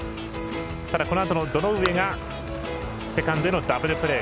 ただ、このあとの堂上がセカンドへのダブルプレー。